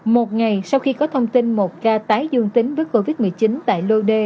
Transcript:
một ngày sau khi có thông tin một ca tái dương tính với covid một mươi chín tại lô đề